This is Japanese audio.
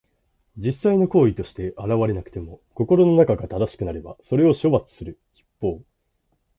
実際の行為として現れなくても、心の中が正しくなければ、それを処罰する筆法。